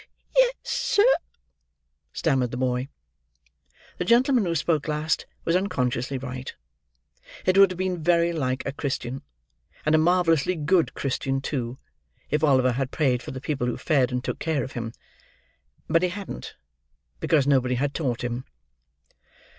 "Yes, sir," stammered the boy. The gentleman who spoke last was unconsciously right. It would have been very like a Christian, and a marvellously good Christian too, if Oliver had prayed for the people who fed and took care of him. But he hadn't, because nobody had taught him.